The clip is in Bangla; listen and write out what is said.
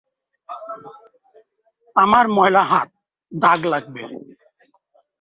আমার ময়লা হাত, দাগ লাগবে।